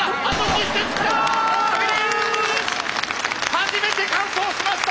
初めて完走しました！